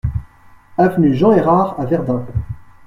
Avenue Jean Errard à Verdun